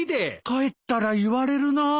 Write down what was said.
帰ったら言われるな。